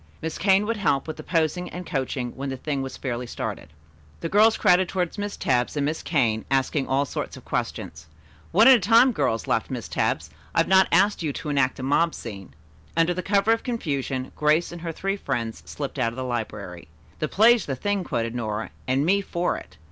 Miss Kane would help with the posing and coaching when the thing was fairly started. The girls crowded around Miss Tebbs and Miss Kane, asking all sorts of questions. "One at a time, girls," laughed Miss Tebbs. "I have not asked you to enact a mob scene." Under cover of the confusion, Grace and her three friends slipped out of the library. "'The play's the thing,'" quoted Nora, "and me for it."